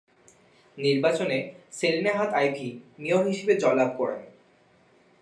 নির্বাচনে সেলিনা হায়াৎ আইভি মেয়র হিসেবে জয়লাভ করেন।